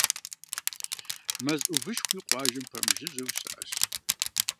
Мэз ӏувышхуи къуажэм пэмыжыжьэу щыӏэщ.